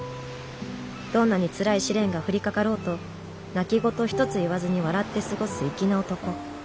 どんなにつらい試練が降りかかろうと泣き言ひとつ言わずに笑って過ごす粋な男。